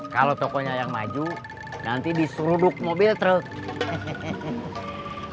kalau tokonya yang maju nanti disuruh duk mobil terus